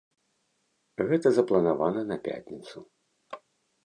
Гэта запланавана на пятніцу.